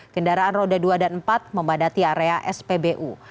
kendaraan roda dua dan empat membadati area spbu